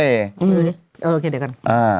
โอเคเดี๋ยวกัน